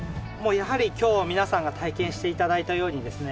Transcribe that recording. やはり今日皆さんが体験して頂いたようにですね